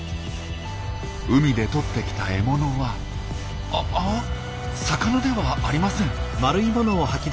海でとってきた獲物はあっ魚ではありません。